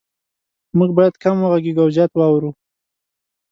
مونږ باید کم وغږیږو او زیات واورو